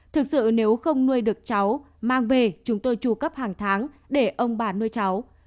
thực sự nếu không nuôi được cháu mang về chúng tôi tru cấp hàng tháng để ông bà nuôi cháu